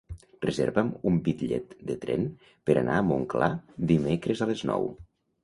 Reserva'm un bitllet de tren per anar a Montclar dimecres a les nou.